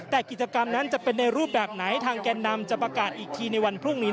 แต่กิจกรรมนั้นจะเป็นในรูปแบบไหนทางแก่นำจะประกาศอีกทีในวันพรุ่งนี้